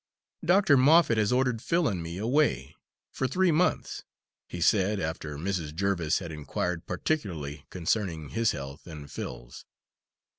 "Doctor Moffatt has ordered Phil and me away, for three months," he said, after Mrs. Jerviss had inquired particularly concerning his health and Phil's.